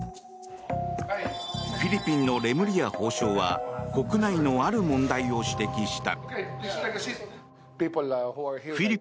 フィリピンのレムリヤ法相は国内のある問題を指摘した。